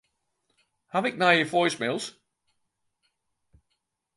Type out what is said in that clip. Ha ik nije voicemails?